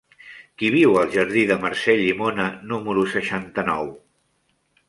Qui viu al jardí de Mercè Llimona número seixanta-nou?